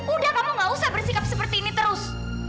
udah kamu gak usah bersikap seperti ini terus